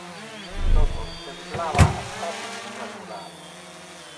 Toto semblava assatis natural.